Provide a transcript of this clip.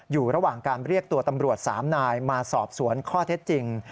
อยู่ระหว่างการเรียกตัวตำรวจ๓นายมาสอบสวนข้อเท็จจริง